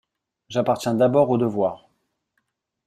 J'appartiens d'abord au devoir.